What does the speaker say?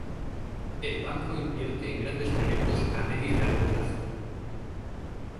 El Banco invierte en grandes proyectos a medio y largo plazo.